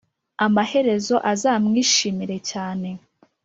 amaherezo azamwishimire cyane